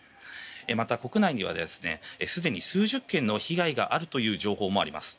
また、国内にはすでに数十件の被害があるという情報もあります。